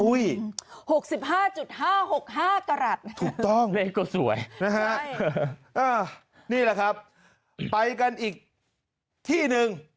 ๖๕๕๖๕กรัฐถูกต้องเลขก็สวยนะฮะนี่แหละครับไปกันอีกที่หนึ่ง